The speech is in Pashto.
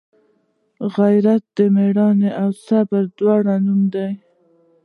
غیرت د میړانې او صبر دواړو نوم دی